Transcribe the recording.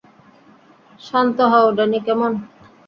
শান্ত হও, ড্যানি, কেমন?